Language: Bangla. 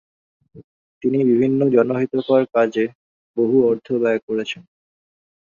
তিনি বিভিন্ন জনহিতকর কাজে বহু অর্থ ব্যয় করেছেন।